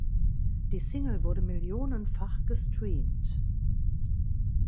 Die Single wurde millionenfach gestreamt.